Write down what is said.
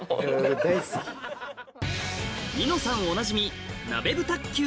『ニノさん』おなじみ